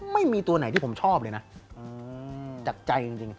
ไม่มีตัวไหนที่ผมชอบเลยนะจากใจจริง